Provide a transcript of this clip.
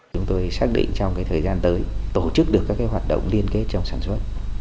chúng tôi xác định trong thời gian tới tổ chức được các hoạt động liên kết trong sản xuất